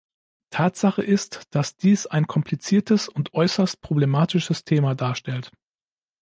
Tatsache ist, dass dies ein kompliziertes und äußerst problematisches Thema darstellt.